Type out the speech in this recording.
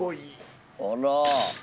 あら。